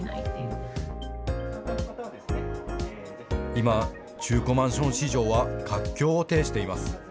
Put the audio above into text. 今、中古マンション市場は活況を呈しています。